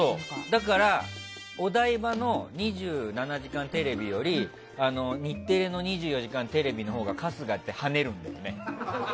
だから、お台場の「２７時間テレビ」より日テレの「２４時間テレビ」のほうが春日って、はねるんだよね。